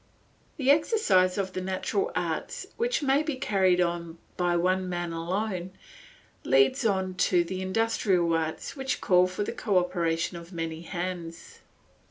The exercise of the natural arts, which may be carried on by one man alone, leads on to the industrial arts which call for the cooperation of many hands.